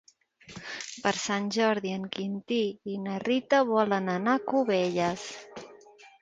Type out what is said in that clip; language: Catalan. Per Sant Jordi en Quintí i na Rita volen anar a Cubelles.